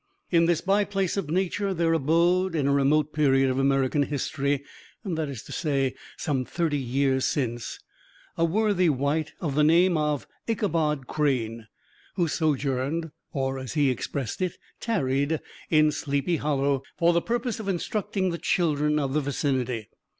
In this by place of nature there abode, in a remote period of American history, that is to say, some thirty years since, a worthy wight of the name of Ichabod Crane, who sojourned, or, as he expressed it, "tarried," in Sleepy Hollow, for the purpose of instructing the children of the vicinity.